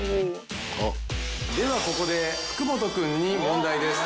ではここで福本君に問題です。